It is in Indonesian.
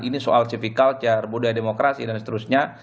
ini soal civic culture budaya demokrasi dan seterusnya